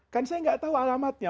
kan saya nggak tahu alamatnya